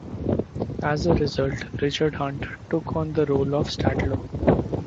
As a result, Richard Hunt took on the role of Statler.